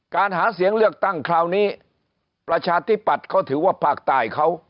หาเสียงเลือกตั้งคราวนี้ประชาธิปัตย์เขาถือว่าภาคใต้เขา